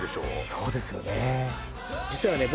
そうですよね実はね